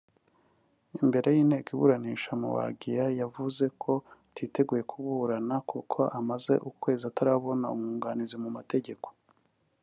Imbere y’inteko iburanisha Muigai yavuze ko atiteguye kuburana kuko amaze ukwezi atarabona umwunganizi mu mategeko